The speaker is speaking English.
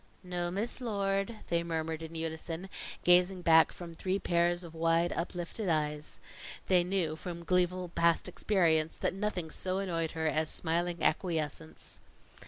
"No, Miss Lord," they murmured in unison, gazing back from three pairs of wide, uplifted eyes. They knew, from gleeful past experience, that nothing so annoyed her as smiling acquiescence.